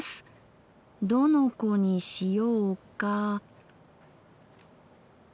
どの子にしようか。